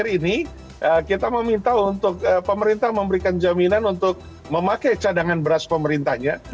ini kita meminta untuk pemerintah memberikan jaminan untuk memakai cadangan beras pemerintahnya